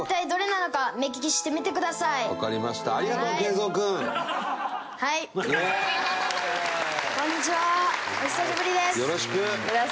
よろしくお願いします。